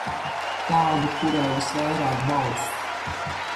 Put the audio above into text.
Tādu, kurai visvairāk balstu.